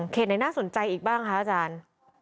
ไหนน่าสนใจอีกบ้างคะอาจารย์